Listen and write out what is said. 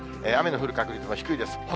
雨の降る確率も低いです。